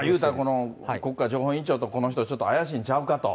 国家情報院長とこの人、怪しいんちゃうかと。